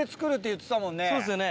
そうですよね。